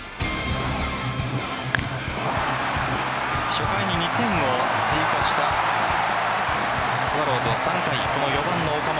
初回に２点を追加したスワローズは３回４番の岡本